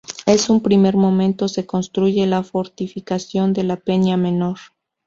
En un primer momento se construye la fortificación de la peña menor.